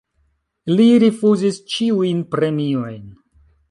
Li rifuzis ĉiujn premiojn.